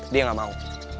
dia gak mau